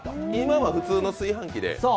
今は普通の炊飯器で？